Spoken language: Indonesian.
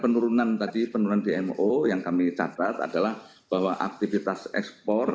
penurunan tadi penurunan dmo yang kami catat adalah bahwa aktivitas ekspor